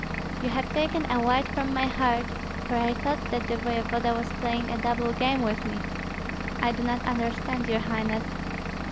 "You have taken a weight from my heart, for I thought that the voevoda was playing a double game with me." "I do not understand, your highness."